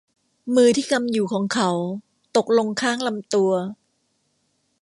มือที่กำอยู่ของเขาตกลงข้างลำตัว